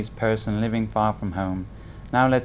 câu chuyện của một người việt